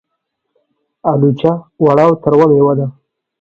الوچه وړه او تروه مېوه ده.